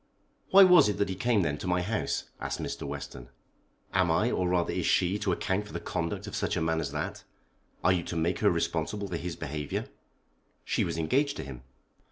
"Why was it that he came, then, to my house?" asked Mr. Western. "Am I, or rather is she, to account for the conduct of such a man as that? Are you to make her responsible for his behaviour?" "She was engaged to him."